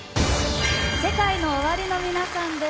ＳＥＫＡＩＮＯＯＷＡＲＩの皆さんです。